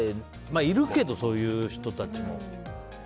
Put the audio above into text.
いるけど、そういう人たちも。